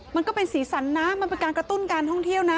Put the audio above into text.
มันก็เป็นสีสันนะมันเป็นการกระตุ้นการท่องเที่ยวนะ